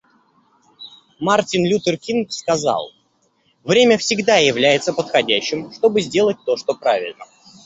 Мартин Лютер Кинг сказал: «Время всегда является подходящим, чтобы сделать то, что правильно».